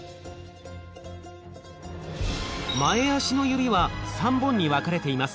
前足の指は３本に分かれています。